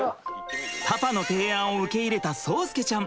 パパの提案を受け入れた蒼介ちゃん。